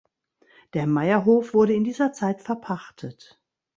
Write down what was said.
Der Meierhof wurde in dieser Zeit verpachtet.